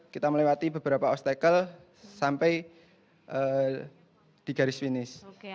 kita melewati beberapa obstacle sampai di garis finish